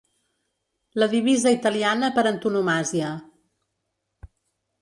La divisa italiana per antonomàsia.